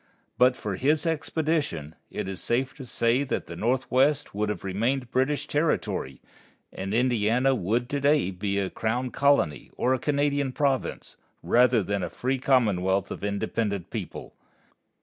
But for his expedition, it is safe to say that the Northwest would have remained British territory, and Indiana would to day be a crown colony or a Canadian province, rather than a free commonwealth of an independent people.